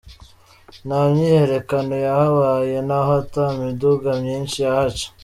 Nta myiyerekano yahabaye n’aho ata miduga myishi yahaca.